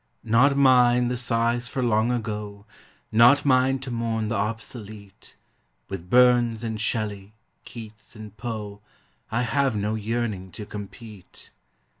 Not mine the sighs for Long Ago; Not mine to mourn the obsolete; With Burns and Shelley, Keats and Poe I have no yearning to compete.